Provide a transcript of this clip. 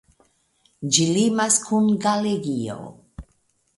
Ĝi limas kun Galegio.